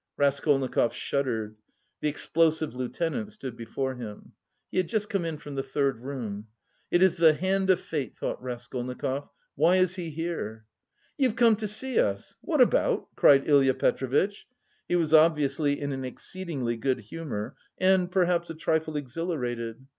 Raskolnikov shuddered. The Explosive Lieutenant stood before him. He had just come in from the third room. "It is the hand of fate," thought Raskolnikov. "Why is he here?" "You've come to see us? What about?" cried Ilya Petrovitch. He was obviously in an exceedingly good humour and perhaps a trifle exhilarated.